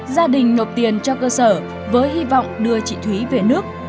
gia đình nộp tiền cho cơ sở với hy vọng đưa chị thúy về nước